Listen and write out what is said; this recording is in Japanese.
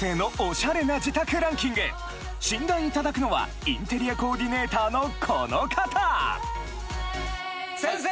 診断いただくのはインテリアコーディネーターのこの方先生